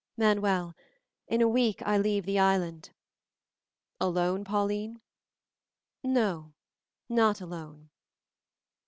"Manuel, in a week I leave the island." "Alone, Pauline?" "No, not alone."